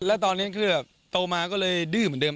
และตอนนี้ก็โตมาก็เลยดื้อเหมือนเดิม